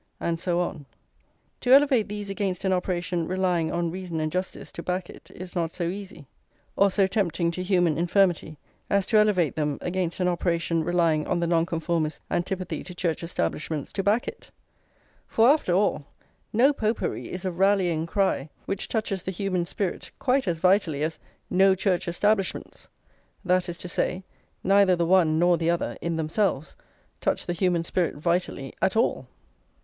and so on. To elevate these against an operation relying on reason and justice to back it is not so easy, or so tempting to human infirmity, as to elevate them against an operation relying on the Nonconformists' antipathy to Church establishments to back it; for after all, No Popery! is a rallying cry which touches the human spirit quite as vitally as No Church establishments! that is to say, neither the one nor the other, in themselves, touch the human spirit vitally at all.